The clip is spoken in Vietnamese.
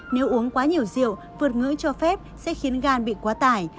nếu uống quá nhiều rượu vượt ngưỡng cho phép sẽ khiến gan bị quá tải